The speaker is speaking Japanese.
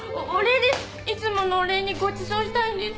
いつものお礼にごちそうしたいんです。